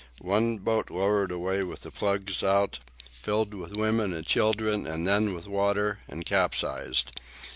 One boat lowered away with the plugs out, filled with women and children and then with water, and capsized.